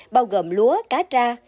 bao gồm lúa cá tra xoài